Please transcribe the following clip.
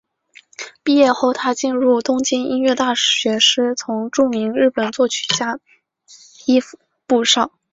毕业后她进入东京音乐大学师从著名日本作曲家伊福部昭。